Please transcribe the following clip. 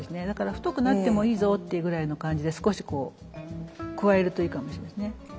だから太くなってもいいぞっていうぐらいの感じで少し加えるといいかもしれないですね。